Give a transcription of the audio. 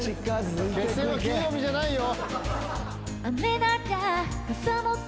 『決戦は金曜日』じゃないよ！